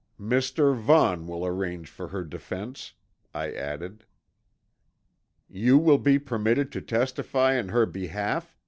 "Mr. Vaughn will arrange for her defense," I added. "You will be permitted to testify in her behalf?"